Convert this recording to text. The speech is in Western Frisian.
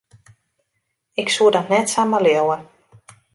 Ik soe dat net samar leauwe.